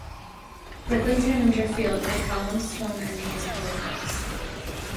Bridlington and Driffield had columned stone entrance porticos.